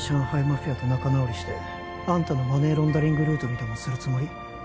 マフィアと仲直りしてあんたのマネーロンダリングルートにでもするつもり？